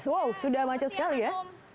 wow sudah macet sekali ya